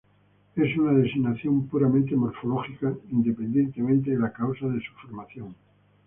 Es una designación puramente morfológica, independientemente de la causa de su formación.